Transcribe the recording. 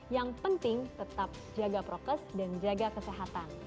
yang penting tetap jaga prokes dan jaga kesehatan